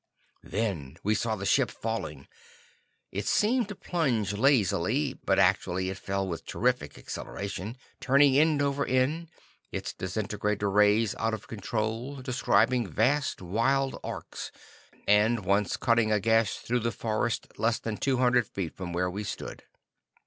Then we saw the ship falling. It seemed to plunge lazily, but actually it fell with terrific acceleration, turning end over end, its disintegrator rays, out of control, describing vast, wild arcs, and once cutting a gash through the forest less than two hundred feet from where we stood.